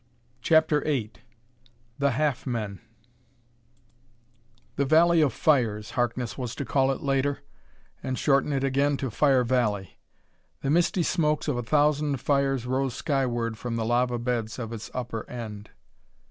CHAPTER VIII The Half Men "The Valley of the Fires," Harkness was to call it later, and shorten it again to "Fire Valley." The misty smokes of a thousand fires rose skyward from the lava beds of its upper end.